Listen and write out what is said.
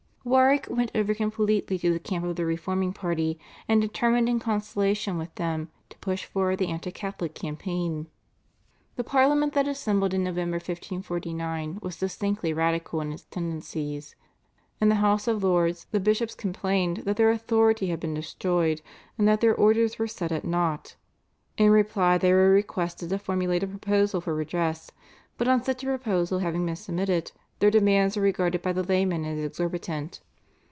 Warwick went over completely to the camp of the reforming party and determined in consultation with them to push forward the anti Catholic campaign. The Parliament that assembled in November 1549 was distinctly radical in its tendencies. In the House of Lords the bishops complained that their authority had been destroyed, and that their orders were set at naught. In reply they were requested to formulate a proposal for redress, but on such a proposal having been submitted, their demands were regarded by the laymen as exorbitant.